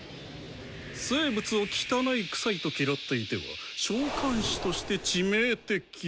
生物を「汚い」「臭い」と嫌っていては召喚士として致命的。